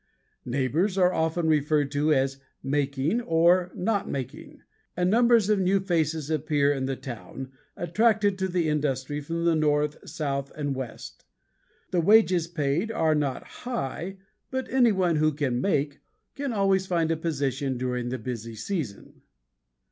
Neighbors are referred to as "making" or "not making" and numbers of new faces appear in the town, attracted by the industry from the north, south, and west. The wages paid are not high but anyone who can "make" can always find a position during the busy season.